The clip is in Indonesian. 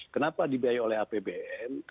kenapa dibiayai oleh apbn